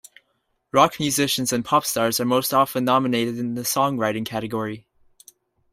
Rock musicians and pop stars are most often nominated in the songwriting category.